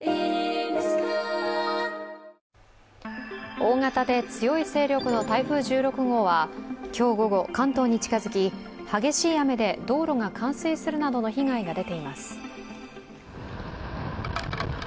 大型で強い勢力の台風１６号は今日午後、関東に近づき、激しい雨で道路が冠水するなどの被害が出ています。